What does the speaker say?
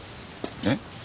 えっ？